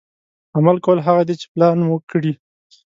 عمل کول هغه دي چې پلان مو کړي.